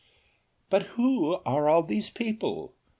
"But who are all these people?